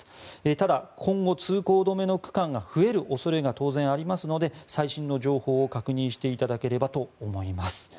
ただ、今後、通行止めの区間が増える恐れが当然ありますので最新の情報を確認していただければと思います。